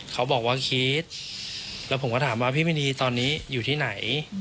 เขาบอกว่าคิดแล้วผมก็ถามว่าพี่มินีตอนนี้อยู่ที่ไหน